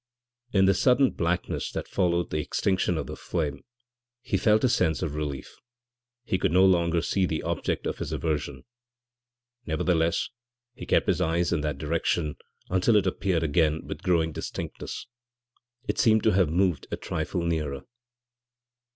In the sudden blackness that followed the extinction of the flame he felt a sense of relief; he could no longer see the object of his aversion. Nevertheless, he kept his eyes in that direction until it appeared again with growing distinctness. It seemed to have moved a trifle nearer.